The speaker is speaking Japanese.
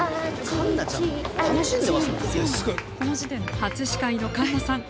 初司会の環奈さん。